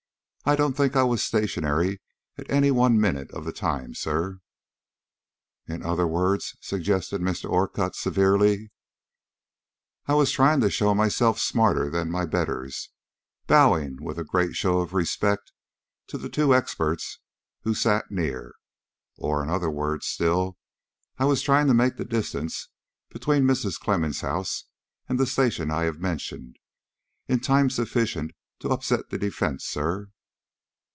I don't think I was stationary at any one minute of the time, sir." "In other words " suggested Mr. Orcutt, severely. "I was trying to show myself smarter than my betters;" bowing with a great show of respect to the two experts who sat near. "Or, in other words still, I was trying to make the distance between Mrs. Clemmens' house and the station I have mentioned, in time sufficient to upset the defence, sir."